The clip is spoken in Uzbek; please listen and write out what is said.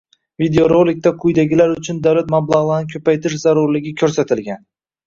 Videorolikda quyidagilar uchun davlat mablag'larini ko'paytirish zarurligi ko'rsatilgan: